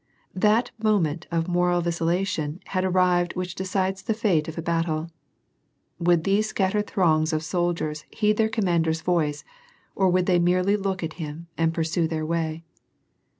That moment of moral vacillation had arrived which decides the fate of a battle : would these scattered throngs of soldiers heed their commander's voice, or would they merely look at liim and pursue their way